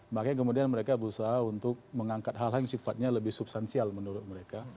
makanya kemudian mereka berusaha untuk mengangkat hal hal yang sifatnya lebih substansial menurut mereka